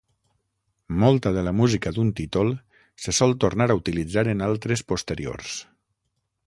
Molta de la música d'un títol, se sol tornar a utilitzar en altres posteriors.